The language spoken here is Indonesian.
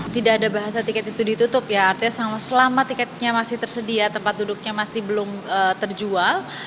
tidak ada bahasa tiket itu ditutup ya artinya selama tiketnya masih tersedia tempat duduknya masih belum terjual